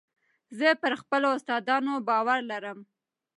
زه پر خپلو استادانو باور لرم.